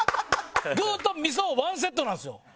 具とみそはワンセットなんですよ。